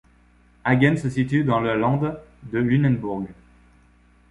Hagen se situe dans la lande de Lunebourg.